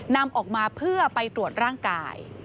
นำออกมาเพื่อไปตรวจร่างกาย